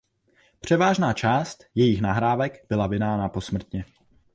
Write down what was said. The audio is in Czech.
Převážná část jejích nahrávek byla vydána posmrtně.